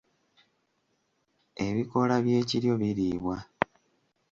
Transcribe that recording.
Ebikoola by’ekiryo biriibwa.